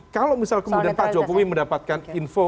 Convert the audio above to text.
kalau misal kemudian pak jokowi mendapatkan info